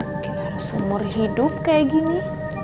mungkin harus seumur hidup kayak gini